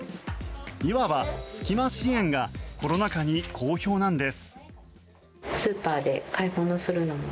いわば隙間支援がコロナ禍に好評なんです。